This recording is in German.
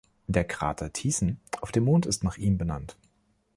Der Krater „Thiessen“ auf dem Mond ist nach ihm benannt.